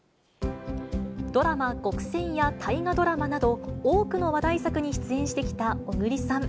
ドラマ、ごくせんや大河ドラマなど、多くの話題作に出演してきた小栗さん。